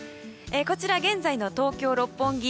こちら、現在の東京・六本木。